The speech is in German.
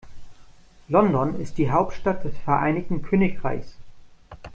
London ist die Hauptstadt des Vereinigten Königreichs.